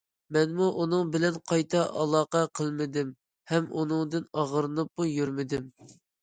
مەنمۇ ئۇنىڭ بىلەن قايتا ئالاقە قىلمىدىم ھەم ئۇنىڭدىن ئاغرىنىپمۇ يۈرمىدىم.